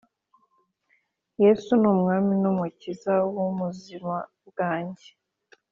yesu numwami numukiza wumuzima bwanjye